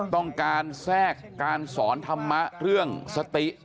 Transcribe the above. ต้องการแทรกการสอนธรรมะเรื่องสติ